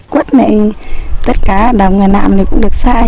quất này tất cả đồng nhà nạm này cũng được sai